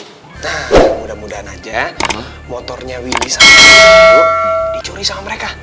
dan mudah mudahan aja motornya willy sama wadiduk dicuri sama mereka